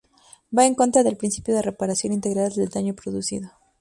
Va en contra del principio de reparación integral del daño producido.